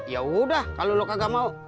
yaudah kalau lo kagak mau